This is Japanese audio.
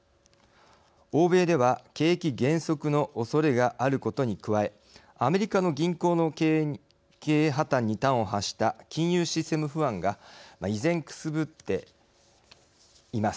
欧米では景気減速のおそれがあることに加えアメリカの銀行の経営破綻に端を発した金融システム不安が依然くすぶっています。